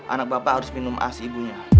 anak bapak harus minum as ibunya